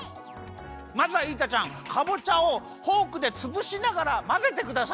まずはイータちゃんかぼちゃをフォークでつぶしながらまぜてください。